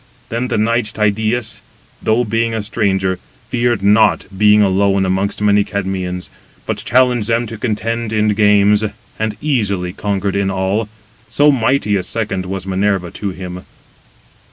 Then the knight Tydeus, though being a stranger, feared not, being alone amongst many Cadmeans: but challenged them to contend [in games], and easily conquered in all, so mighty a second was Minerva to him.